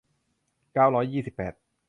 เก้าร้อยยี่สิบแปด